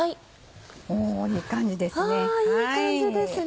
おぉいい感じですね。